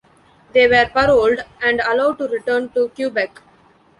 They were paroled and allowed to return to Quebec.